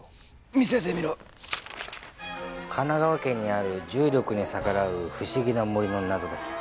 見せてみろ神奈川県にある重力に逆らう不思議な森の謎です